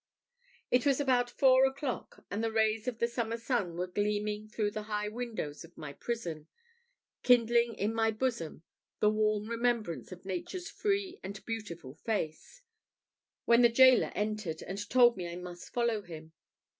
It was about four o'clock, and the rays of the summer sun were gleaming through the high windows of my prison, kindling in my bosom the warm remembrance of nature's free and beautiful face, when the gaoler entered, and told me I must follow him.